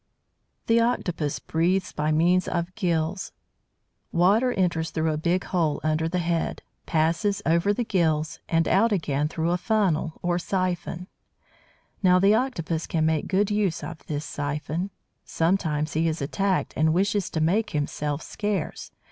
The Octopus breathes by means of gills. Water enters through a big hole under the head, passes over the gills, and out again through a funnel, or siphon. Now the Octopus can make good use of this siphon. Sometimes he is attacked, and wishes to "make himself scarce."